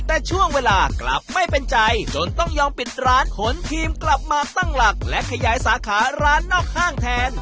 แต่ช่วงเวลากลับไม่เป็นใจจนต้องยอมปิดร้านขนทีมกลับมาตั้งหลักและขยายสาขาร้านนอกห้างแทน